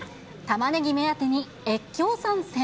タマネギ目当てに、越境参戦。